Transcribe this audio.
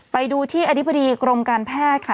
ไปดูที่อธิบดีกรมการแพทย์ค่ะ